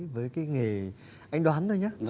với cái nghề anh đoán thôi nhé